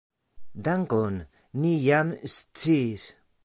Dankon, ni jam sciis.